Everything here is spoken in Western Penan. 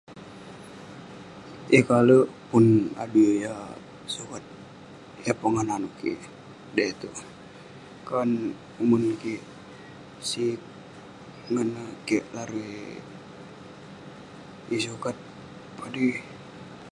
Yeng kalek pun adui yah sukat, yah pongah nanouk kik. dey itouk kan umon kik sig ngan neh kek larui yeng sukat padui.